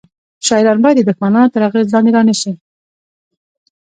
شاعران باید د دښمنانو تر اغیز لاندې رانه شي